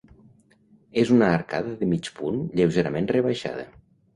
És una arcada de mig punt, lleugerament rebaixada.